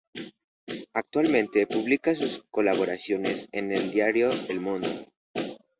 Actualmente publica sus colaboraciones en el diario "El Mundo".